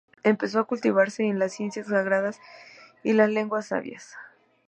Empezó a cultivarse en las ciencias sagradas y las lenguas sabias.